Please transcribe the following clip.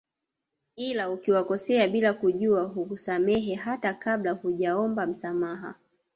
Ila ukiwakosea bila kujua hukusamehe hata kabla hujaomba msamaha